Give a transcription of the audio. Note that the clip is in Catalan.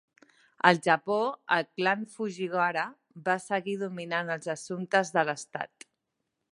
Al Japó, el clan de Fujiwara va seguir dominant els assumptes de l'estat.